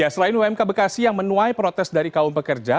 selain umk bekasi yang menuai protes dari kaum pekerja